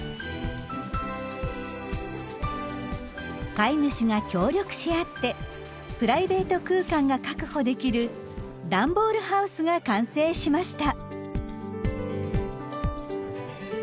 飼い主が協力し合ってプライベート空間が確保できる段ボールハウスが完成しました。